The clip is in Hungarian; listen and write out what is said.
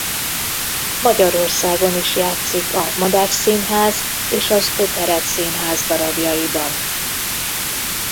Magyarországon is játszik a Madách Színház és az Operettszínház darabjaiban.